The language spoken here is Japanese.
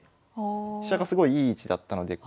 飛車がすごいいい位置だったので。